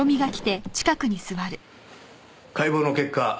解剖の結果